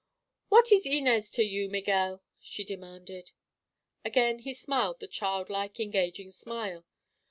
"What is Inez to you, Miguel?" she demanded. Again he smiled the childlike, engaging smile.